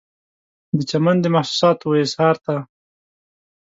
د چمن د محسوساتو و اظهار ته